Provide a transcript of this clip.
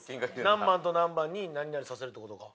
何番と何番に何々させるって事か。